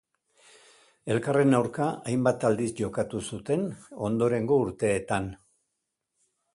Elkarren aurka hainbat aldiz jokatu zuten ondorengo urteetan.